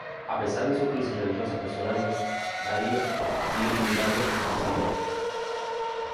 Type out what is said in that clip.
A pesar de sus crisis religiosas personales, María sigue pintando incansablemente.